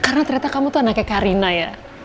karena ternyata kamu tuh anaknya kak rina ya